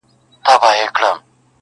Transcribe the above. د ماشومتوب او د بنګړیو وطن،